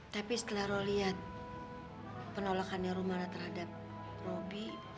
tapi setelah roh liat penolakan rumana terhadap robby